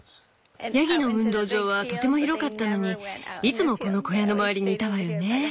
ヤギの運動場はとても広かったのにいつもこの小屋の周りにいたわよね。